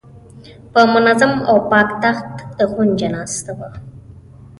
په منظم او پاک تخت غونجه ناسته وه.